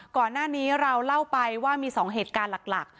ก่อนหน้านี้เราเล่าไปว่ามี๒เหตุการณ์หลัก